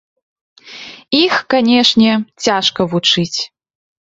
Іх, канешне, цяжка вучыць.